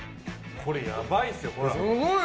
これ、やばいですよ。